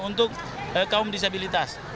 untuk kaum disabilitas